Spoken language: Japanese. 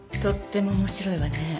とっても面白いわね。